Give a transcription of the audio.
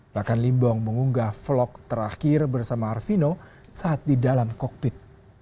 bahkan limbong mengunggah vlog terakhir bersama arvino saat di dalam kokpit